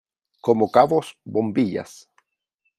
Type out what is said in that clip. como cabos , bombillas .